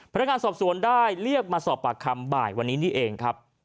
พนักงานสอบสวนได้เรียกมาสอบปากคำบ่ายวันนี้นี่เองครับ